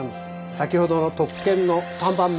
先ほどの特権の３番目。